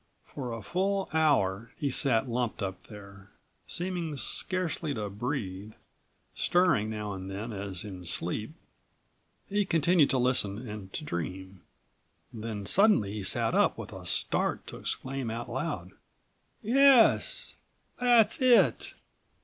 For a full hour he sat lumped up there. Seeming scarcely to breathe, stirring now and then as in sleep, he continued to listen and to dream.51 Then suddenly he sat up with a start to exclaim out loud: "Yes! That's it.